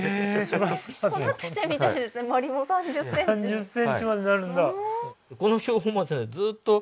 ３０ｃｍまでなるんだ。